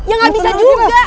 ya gak bisa juga